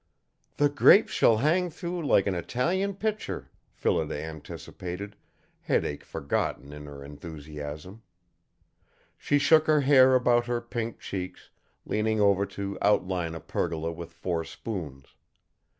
"The grapes shall hang through like an Italian picture," Phillida anticipated, headache forgotten in her enthusiasm. She shook her hair about her pink cheeks, leaning over to outline a pergola with four spoons.